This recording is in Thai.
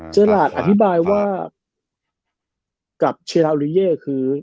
เจอหลักอธิบายว่ากับเชลลาอูริเย่คือ